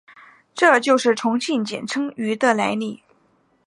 这就是重庆简称渝的来历。